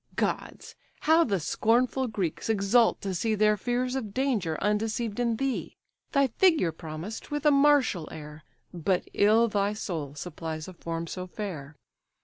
Gods! how the scornful Greeks exult to see Their fears of danger undeceived in thee! Thy figure promised with a martial air, But ill thy soul supplies a form so fair.